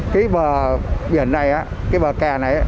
cái bờ biển này cái bờ kè này